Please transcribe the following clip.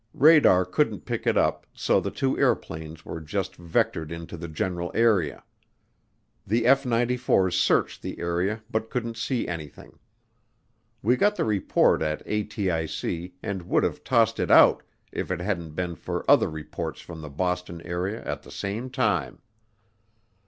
Radar couldn't pick it up so the two airplanes were just vectored into the general area. The F 94's searched the area but couldn't see anything. We got the report at ATIC and would have tossed it out if it hadn't been for other reports from the Boston area at that same time.